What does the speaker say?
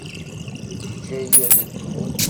Yeǧǧa-iyi ad dduɣ.